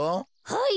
はい！